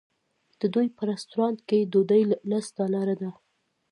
د دوی په رسټورانټ کې ډوډۍ لس ډالره ده.